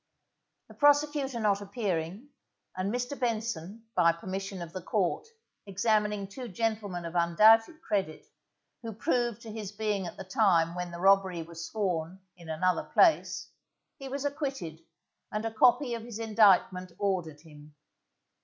The prosecutor not appearing, and Mr. Benson, by permission of the Court, examining two gentlemen of undoubted credit, who proved to his being at the time when the robbery was sworn in another place, he was acquitted, and a copy of his indictment ordered him.